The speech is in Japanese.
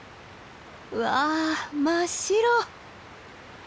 うわ真っ白！